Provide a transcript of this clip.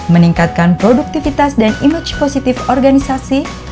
meningkatkan produktivitas dan image positif organisasi